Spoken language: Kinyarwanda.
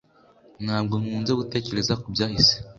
Ntabwo nkunze gutekereza kubyahise